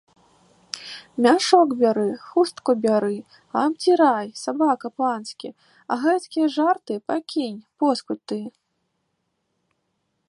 Мяшок бяры, хустку бяры, абдзірай, сабака панскі, а гэткія жарты пакінь, поскудзь ты!